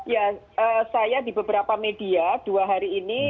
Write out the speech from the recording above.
ya saya di beberapa media dua hari ini